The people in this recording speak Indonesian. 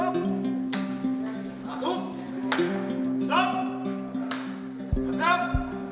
masuk masuk masuk masuk